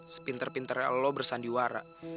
sepinter pinternya lu bersandiwara